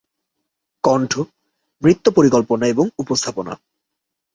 কন্ঠ, নৃত্য পরিকল্পনা এবং উপস্থাপনা।